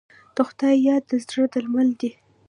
د خدای یاد د زړه درمل دی.